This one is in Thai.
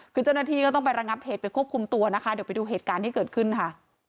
คือเจ้าหน้าที่ก็ต้องไประงับเหตุไปควบคุมตัวนะคะเดี๋ยวไปดูเหตุการณ์ที่เกิดขึ้นค่ะ